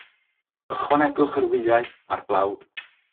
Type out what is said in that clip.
Ychwanegwch yr wyau a'r blawd.